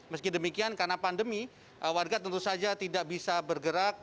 meski demikian karena pandemi warga tentu saja tidak bisa bergerak